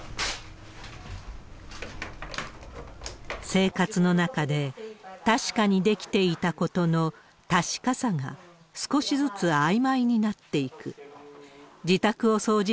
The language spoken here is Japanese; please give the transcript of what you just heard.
生活の中で、確かにできていたことの確かさが、少しずつあいまいになっていく。